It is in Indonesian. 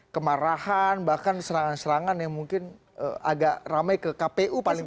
kemarahan bahkan serangan serangan yang mungkin agak ramai ke kpu paling